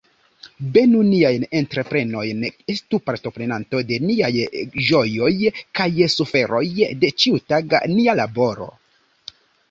Benu niajn entreprenojn, estu partoprenanto de niaj ĝojoj kaj suferoj, de ĉiutaga nia laboro.